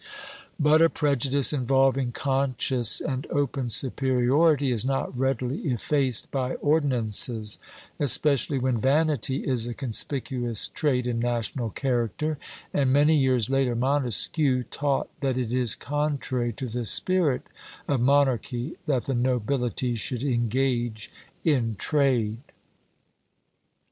But a prejudice involving conscious and open superiority is not readily effaced by ordinances, especially when vanity is a conspicuous trait in national character; and many years later Montesquieu taught that it is contrary to the spirit of monarchy that the nobility should engage in trade.